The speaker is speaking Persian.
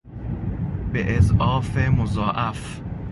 به اضعاف مضاعف